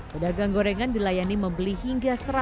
pedagang gorengan dilayani membeli hingga